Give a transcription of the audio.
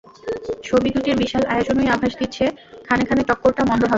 ছবি দুটির বিশাল আয়োজনই আভাস দিচ্ছে, খানে খানে টক্করটা মন্দ হবে না।